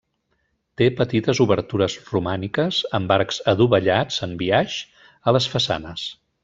Té petites obertures romàniques, amb arcs adovellats, en biaix, a les façanes.